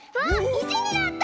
「１」になった！